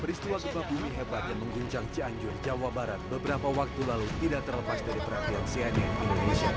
peristiwa gempa bumi hebat yang mengguncang cianjur jawa barat beberapa waktu lalu tidak terlepas dari perhatian cnn indonesia